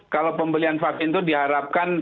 kalau pembelian vaksin itu diharapkan